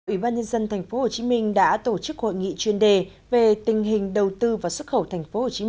ủy ban nhân dân tp hcm đã tổ chức hội nghị chuyên đề về tình hình đầu tư và xuất khẩu tp hcm